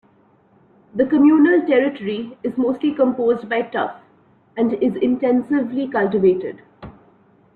The communal territory is mostly composed by tuff, and is intensively cultivated.